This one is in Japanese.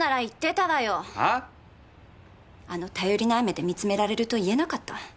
あの頼りない目で見つめられると言えなかった。